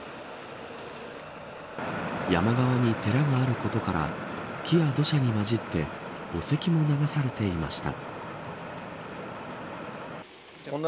山側に寺があることから木や土砂にまじって墓石も流されていました。